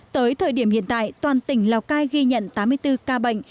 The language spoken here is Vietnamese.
tới thời điểm hiện tại toàn tỉnh lào cai ghi nhận tám mươi bốn ca bệnh